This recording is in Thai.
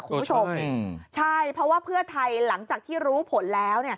คุณผู้ชมใช่เพราะว่าเพื่อไทยหลังจากที่รู้ผลแล้ว